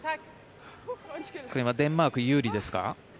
これはデンマーク有利ですか？